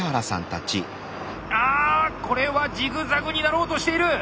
あこれはジグザグになろうとしている！